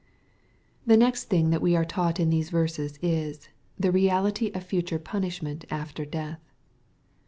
The next thing that we are taught in these verses is^ the reality of future punishment after death.